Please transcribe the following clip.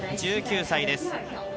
１９歳です。